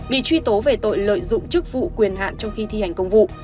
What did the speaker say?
bị truy tố về tội lợi dụng chức vụ quyền hạn trong khi thi hành công vụ